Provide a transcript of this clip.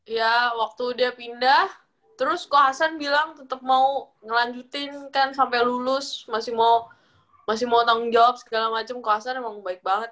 iya waktu dia pindah terus kau hasan bilang tetep mau ngelanjutin kan sampe lulus masih mau tanggung jawab segala macem kau hasan emang baik banget